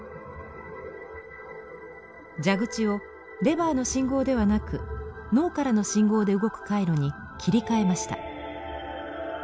蛇口をレバーの信号ではなく脳からの信号で動く回路に切り替えました。